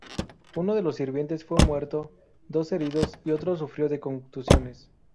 Uno de los sirvientes fue muerto, dos heridos y otro sufrió de contusiones.